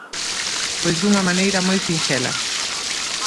Pois dunha maneira moi sinxela.